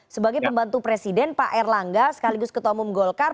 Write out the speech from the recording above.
sebagai pembantu presiden pak erlangga sekaligus ketua umum golkar